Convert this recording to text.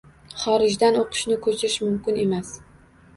Xorijdan o‘qishni ko‘chirish mumkin emas.